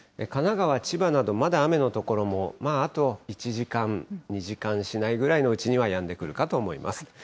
神奈川、千葉など、まだ雨の所も、まああと１時間、２時間しないぐらいのうちにはやんでくるかと思います。